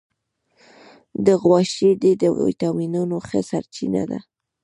د غوا شیدې د وټامینونو ښه سرچینه ده.